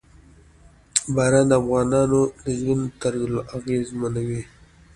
باران د افغانانو د ژوند طرز اغېزمنوي.